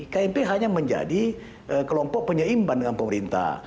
kmp hanya menjadi kelompok penyeimbang dengan pemerintah